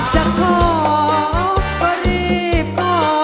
จะขอก็รีบขอ